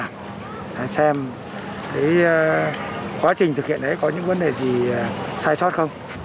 hãy xem quá trình thực hiện đấy có những vấn đề gì sai sót không